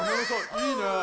いいね。